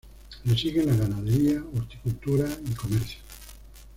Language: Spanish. Le siguen la ganadería, horticultura y el comercio.